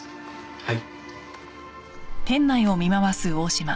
はい。